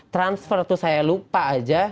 transfer tuh saya lupa aja